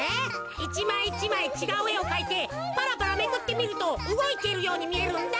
１まい１まいちがうえをかいてパラパラめくってみるとうごいてるようにみえるんだ。